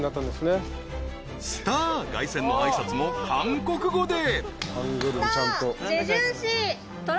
［スター凱旋の挨拶も韓国語で］